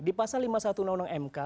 di pasal lima puluh satu undang undang mk